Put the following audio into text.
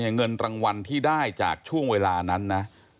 เงินรางวัลที่ได้จากช่วงเวลานั้นนะ